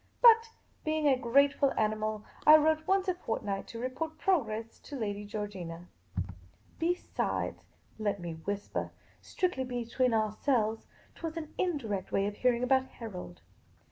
But, being a grateful animal, I wrote once a fortnight to report progress to Lady Georgina. Besides — let me whisper — strictly be tween ourselves — 't was an indirect way of hearing about Harold.